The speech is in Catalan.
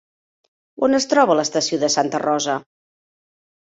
On es troba l'estació de Santa Rosa?